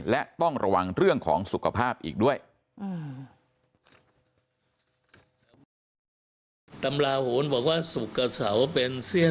และต้องระวังเรื่องของสุขภาพอีกด้วย